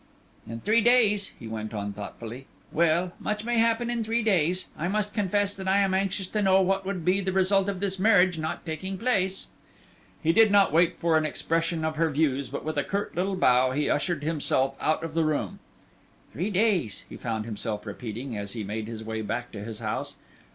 "In three days," he went on, thoughtfully. "Well, much may happen in three days. I must confess that I am anxious to know what would be the result of this marriage not taking place." He did not wait for an expression of her views, but with a curt little bow he ushered himself out of the room. "Three days," he found himself repeating, as he made his way back to his house.